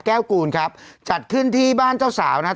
กูลครับจัดขึ้นที่บ้านเจ้าสาวนะครับ